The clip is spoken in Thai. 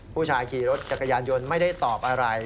ขี่รถจักรยานยนต์ไม่ได้ตอบอะไร